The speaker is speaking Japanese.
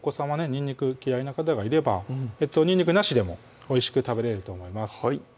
にんにく嫌いな方がいればにんにくなしでもおいしく食べれると思います